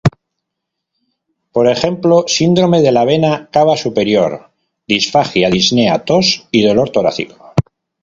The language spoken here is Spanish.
Por ejemplo, síndrome de la vena cava superior, disfagia, disnea, tos y dolor torácico.